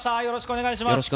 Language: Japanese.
よろしくお願いします。